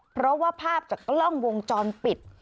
เพราะว่าภาพจากกล้องวงจรปิด